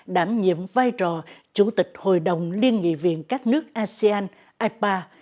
đảm nhiệm vai trò chủ tịch hội đồng liên nghị viện các nước asean ipa